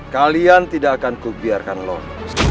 kalian tidak akan kubiarkan lo